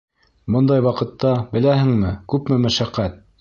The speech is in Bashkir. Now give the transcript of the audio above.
Бындай ваҡытта, беләһеңме, күпме мәшәҡәт.